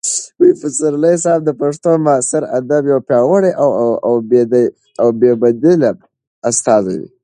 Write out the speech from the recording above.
پسرلي صاحب د پښتو معاصر ادب یو پیاوړی او بې بدیله استازی دی.